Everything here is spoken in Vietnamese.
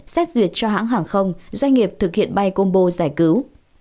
xét duyệt cho hãng hàng không doanh nghiệp thực hiện bay combo giải cứu